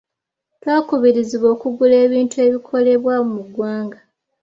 twakubirizibwa okugula ebintu ebikolebwa mu ggwanga.